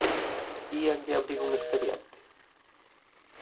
¿Íanlle abrir un expediente?